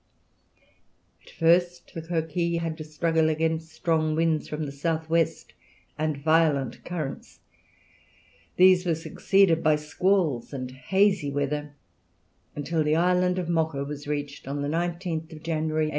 At first the Coquille had to struggle against strong winds from the south west and violent currents; these were succeeded by squalls and hazy weather until the island of Mocha was reached on the 19th January, 1823.